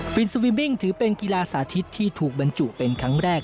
สวิมบิ้งถือเป็นกีฬาสาธิตที่ถูกบรรจุเป็นครั้งแรก